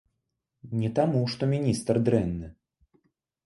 Не таму, што міністр дрэнны.